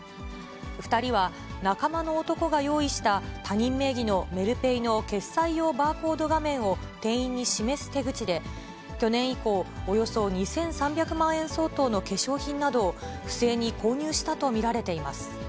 ２人は仲間の男が用意した、他人名義のメルペイの決済用バーコード画面を店員に示す手口で、去年以降、およそ２３００万円相当の化粧品などを不正に購入したと見られています。